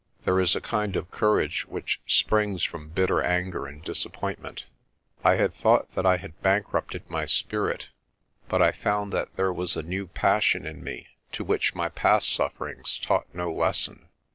There is a kind of courage which springs from bitter anger and disappointment. I had thought that I had bank rupted my spirit but I found that there was a new passion in me to which my past sufferings taught no lesson.